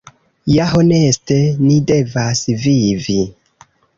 Ja honeste ni devas vivi.